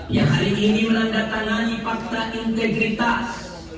yang hari ini menandatangani fakta integritas